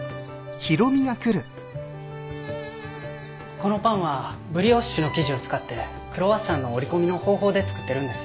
このパンはブリオッシュの生地を使ってクロワッサンの折り込みの方法で作ってるんです。